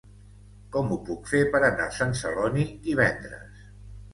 Com ho puc fer per anar a Sant Celoni divendres?